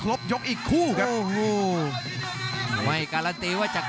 รับทราบบรรดาศักดิ์